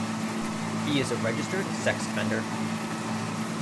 He is a registered sex offender.